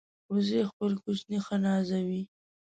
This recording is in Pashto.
وزې خپل کوچني ښه نازوي